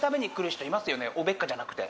おべっかじゃなくて。